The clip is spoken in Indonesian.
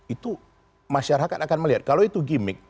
itu masyarakat akan melihat kalau itu gimmick